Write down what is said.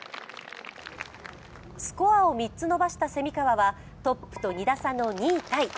スコアを３つ伸ばした蝉川はトップと２打差の２位タイ。